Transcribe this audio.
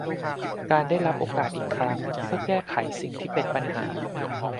การได้รับโอกาสอีกครั้งเพื่อแก้ไขสิ่งที่เป็นปัญหา